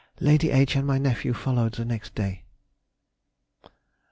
Lady H. and my nephew followed the next day.